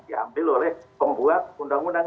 diambil oleh pembuat undang undang